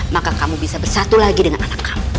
maka kamu bisa bersatu lagi dengan anak kamu